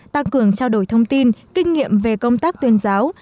tăng cường trao đổi thông tin kinh nghiệm về công tác tuyên giáo